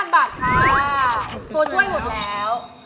ตัวช่วยหมดแล้ว